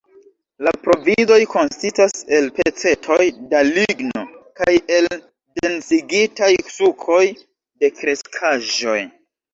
La provizoj konsistas el pecetoj da ligno kaj el densigitaj sukoj de kreskaĵoj.